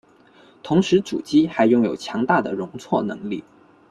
同时主机还拥有强大的容错能力。